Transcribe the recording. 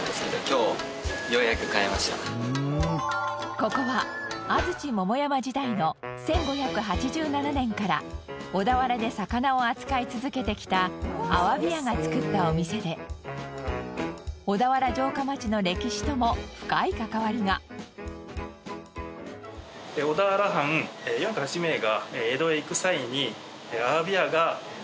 ここは安土桃山時代の１５８７年から小田原で魚を扱い続けてきた鮑屋が作ったお店で小田原城下町の歴史とも深い関わりが。という話があります。